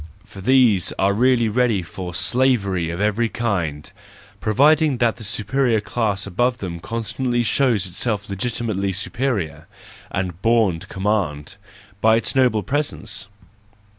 For these are really ready for slavery of every kind, provided that the superior class above them constantly shows itself legitimately superior, and bom to command—by its noble presence!